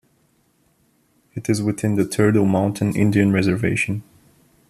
It is within the Turtle Mountain Indian Reservation.